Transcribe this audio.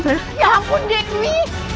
ya ampun dewi